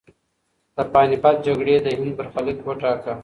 د پاني پت جګړې د هند برخلیک وټاکه.